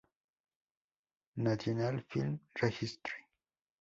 National Film Registry.